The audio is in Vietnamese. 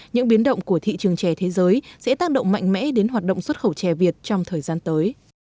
những biến động của thị trường chè thế giới sẽ tác động mạnh mẽ đến hoạt động xuất khẩu trẻ việt trong thời gian tới